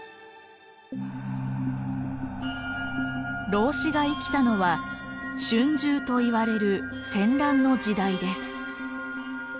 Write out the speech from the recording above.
老子が生きたのは春秋といわれる戦乱の時代です。